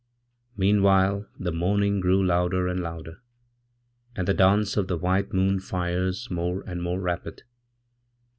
Meanwhile, the moaning grew louder and louder, and the dance of thewhite moon fires more and more rapid.